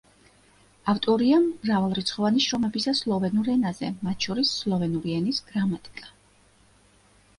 ავტორია მრავალრიცხოვანი შრომებისა სლოვენურ ენაზე, მათ შორის „სლოვენური ენის გრამატიკა“.